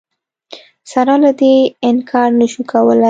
سره له دې انکار نه شو کولای